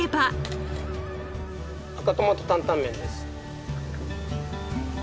赤トマト担々麺です。